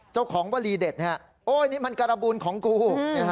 เจ้าของวลีเด็ดเนี่ยโอ๊ยนี่มันการบูลของกู